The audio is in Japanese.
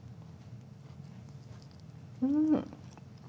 うん。